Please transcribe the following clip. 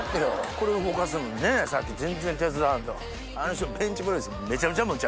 これを動かすのにねさっき全然手伝わんとあの人。